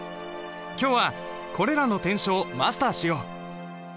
今日はこれらの篆書をマスターしよう。